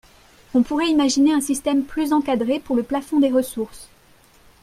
On pourrait imaginer un système plus encadré pour le plafond des ressources.